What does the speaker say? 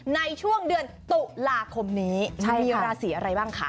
ในช่วงเดือนตุลาคมนี้มีราศีอะไรบ้างคะ